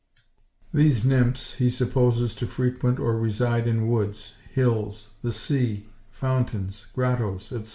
These Nymphs he supposes to frequent or reside in woods, hills, the sea, fountains, grottos etc.